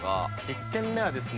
１軒目はですね。